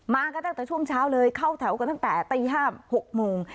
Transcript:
กันตั้งแต่ช่วงเช้าเลยเข้าแถวกันตั้งแต่ตี๕๖โมง